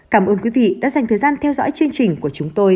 cảm ơn quý vị đã dành thời gian theo dõi chương trình của chúng tôi